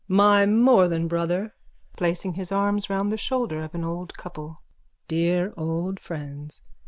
_ My more than Brother! (Placing his arms round the shoulders of an old couple.) Dear old friends!